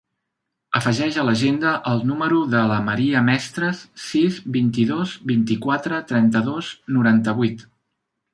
Afegeix a l'agenda el número de la Maria Mestres: sis, vint-i-dos, vint-i-quatre, trenta-dos, noranta-vuit.